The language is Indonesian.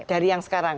dari yang sekarang